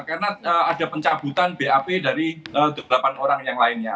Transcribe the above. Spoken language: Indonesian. karena ada pencabutan bap dari delapan orang yang lainnya